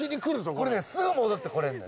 これねすぐ戻ってこれるのよ。